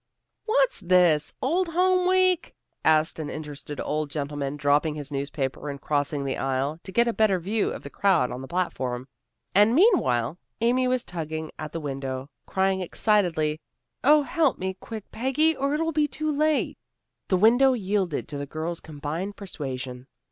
"What's this? Old Home week?" asked an interested old gentleman, dropping his newspaper and crossing the aisle, to get a better view of the crowd on the platform. And, meanwhile, Amy was tugging at the window, crying excitedly, "Oh, help me, quick, Peggy, or it'll be too late." The window yielded to the girls' combined persuasion.